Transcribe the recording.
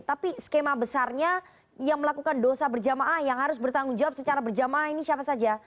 tapi skema besarnya yang melakukan dosa berjamaah yang harus bertanggung jawab secara berjamaah ini siapa saja